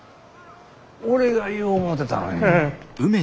俺が言お思てたのに。